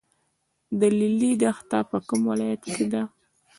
د لیلی دښته په کوم ولایت کې ده؟